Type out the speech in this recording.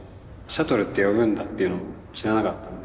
シャトルって呼ぶんだっていうのも知らなかったので。